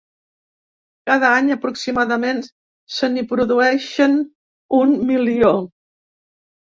Cada any, aproximadament, se n’hi produeixen un milió.